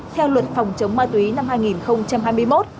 theo luật phòng chống ma túy năm hai nghìn hai mươi một